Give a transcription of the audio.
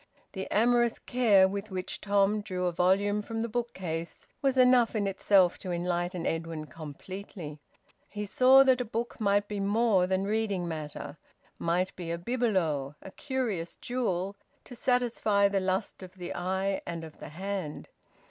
The amorous care with which Tom drew a volume from the bookcase was enough in itself to enlighten Edwin completely. He saw that a book might be more than reading matter, might be a bibelot, a curious jewel, to satisfy the lust of the eye and of the hand.